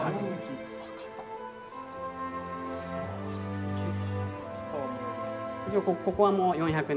すっげえ。